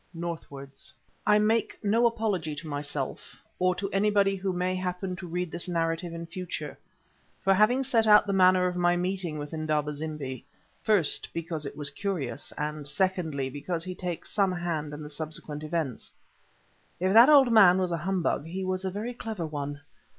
NORTHWARDS I make no apology to myself, or to anybody who may happen to read this narrative in future, for having set out the manner of my meeting with Indaba zimbi: first, because it was curious, and secondly, because he takes some hand in the subsequent events. If that old man was a humbug, he was a very clever one.